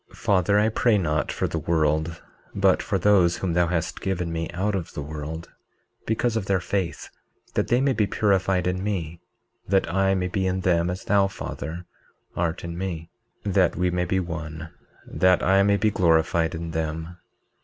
19:29 Father, I pray not for the world, but for those whom thou hast given me out of the world, because of their faith, that they may be purified in me, that I may be in them as thou, Father, art in me, that we may be one, that I may be glorified in them.